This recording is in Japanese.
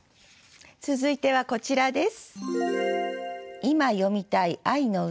続いてはこちらです。